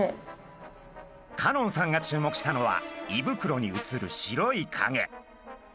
香音さんが注目したのは胃袋に写る白いかげ。